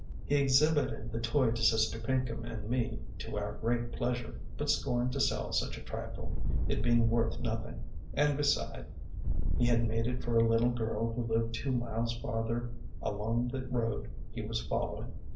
He exhibited the toy to Sister Pinkham and me, to our great pleasure, but scorned to sell such a trifle, it being worth nothing; and beside, he had made it for a little girl who lived two miles farther along the road he was following.